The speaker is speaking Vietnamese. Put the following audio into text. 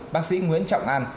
bác sĩ nguyễn trọng an